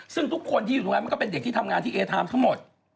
ซึ่งทุกคนที่อยู่ตรงนั้นมันก็เป็นเด็กที่ทำงานที่เอไทม์ทั้งหมด